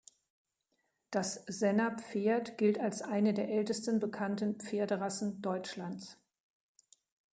Das Senner Pferd gilt als eine der ältesten bekannten Pferderassen Deutschlands.